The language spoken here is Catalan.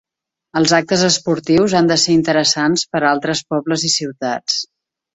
Els actes esportius han de ser interessants per a altres pobles i ciutats.